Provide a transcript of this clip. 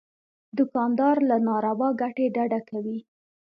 دوکاندار له ناروا ګټې ډډه کوي.